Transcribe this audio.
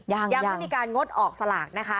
ยังไม่มีการงดออกสลากนะคะ